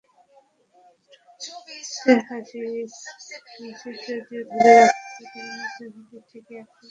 ঠোঁটে হাসি যদিও ধরে রেখেছেন, তবে মুখের ভাষায় ঠিকই আক্রমণ করলেন।